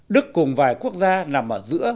đức cùng vài quốc gia nằm ở giữa